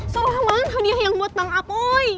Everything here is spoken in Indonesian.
seolah olah dia yang buat tang apoy